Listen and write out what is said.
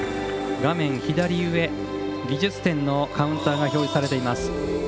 画面左上、技術点のカウンターが表示されています。